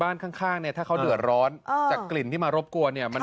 ข้างเนี่ยถ้าเขาเดือดร้อนจากกลิ่นที่มารบกวนเนี่ยมัน